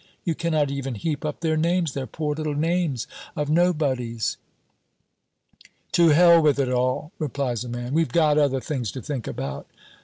You cannot even heap up their names, their poor little names of nobodies." "To hell with it all," replies a man, "we've got other things to think about."